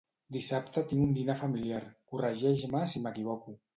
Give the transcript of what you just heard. Dissabte tinc un dinar familiar; corregeix-me si m'equivoco.